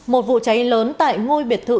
một vụ cháy lớn tại ngôi biệt thự